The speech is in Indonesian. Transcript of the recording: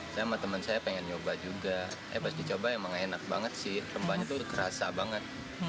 saya sama teman saya pengen nyoba juga eh pas dicoba emang enak banget sih rembanya tuh kerasa banget